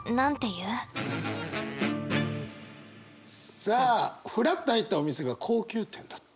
さあフラッと入ったお店が高級店だった。